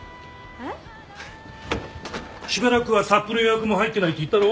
しばらくはサップの予約も入ってないって言ったろ？